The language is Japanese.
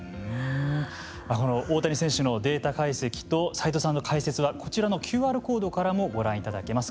この大谷選手のデータ解析と斎藤さんの解説はこちらのＱＲコードからもご覧いただけます。